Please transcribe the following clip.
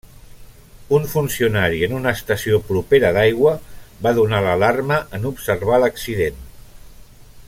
Un funcionari en una estació propera d'aigua va donar l'alarma en observar l'accident.